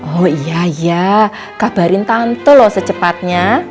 oh iya ya kabarin tante loh secepatnya